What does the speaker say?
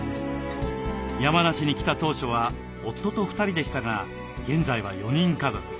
山梨に来た当初は夫と２人でしたが現在は４人家族。